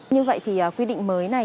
như vậy thì quy định mới này